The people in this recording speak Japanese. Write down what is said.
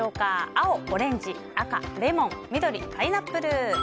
青、オレンジ赤、レモン緑、パイナップル。